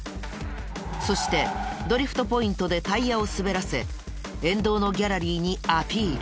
そしてドリフトポイントでタイヤを滑らせ沿道のギャラリーにアピール。